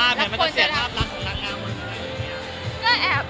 ก็ทำงานปกติ